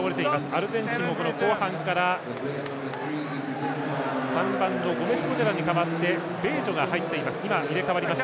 アルゼンチンも後半から３番のゴメスコデラに代わってベージョが入っています。